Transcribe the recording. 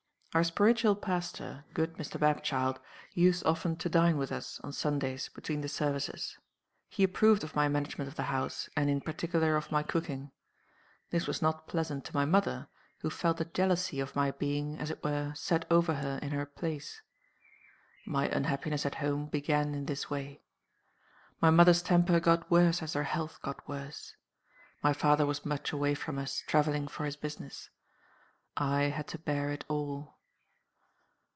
Our spiritual pastor, good Mr. Bapchild, used often to dine with us, on Sundays, between the services. He approved of my management of the house, and, in particular, of my cooking. This was not pleasant to my mother, who felt a jealousy of my being, as it were, set over her in her place. My unhappiness at home began in this way. My mother's temper got worse as her health got worse. My father was much away from us, traveling for his business. I had to bear it all.